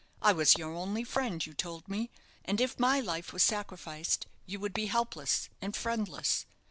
I was your only friend, you told me, and if my life were sacrificed you would be helpless and friendless.